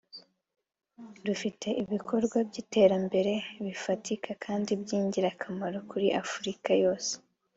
rufite ibikorwa by’iterambere bifatika kandi by’ingirakamaro kuri Afurika yose